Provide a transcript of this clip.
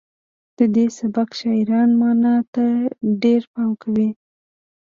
د دې سبک شاعران معنا ته ډیر پام کوي